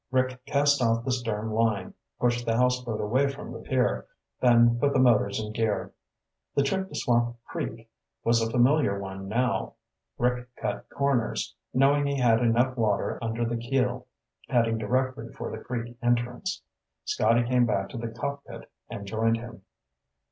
Rick cast off the stern line, pushed the houseboat away from the pier, then put the motors in gear. The trip to Swamp Creek was a familiar one now. Rick cut corners, knowing he had enough water under the keel, heading directly for the creek entrance. Scotty came back to the cockpit and joined him.